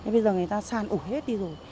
bây giờ người ta san ủi hết đi rồi